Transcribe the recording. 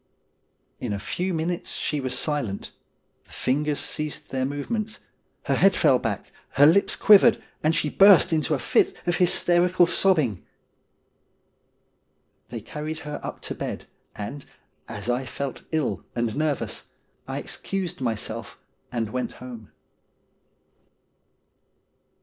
' In a few minutes she was silent, the fingers ceased their movements, her head fell back, her lips quivered, and she burst into a fit of hysterical sobbing. They carried her up to bed, and, as I felt ill and nervous, I excused myself and went home.